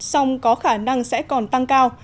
sông có khả năng sẽ còn tăng cao